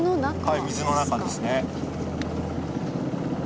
はい水の中ですね。